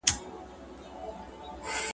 هغه څوک چي پوښتنه کوي پوهه اخلي؟!